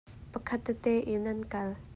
Pakhat tete in an kal.